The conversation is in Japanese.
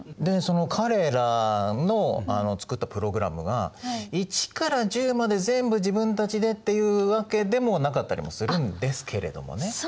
でその彼らの作ったプログラムが１から１０まで全部自分たちでっていうわけでもなかったりもするんですけれどもね。